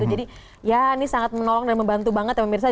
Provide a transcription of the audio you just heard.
jadi ya ini sangat menolong dan membantu banget ya pemirsa